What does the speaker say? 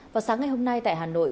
và sáng ngày hôm nay tại hà nội